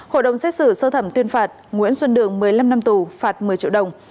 hội đồng xét xử sơ thẩm tuyên phạt nguyễn xuân đường một mươi năm năm tù phạt một mươi triệu đồng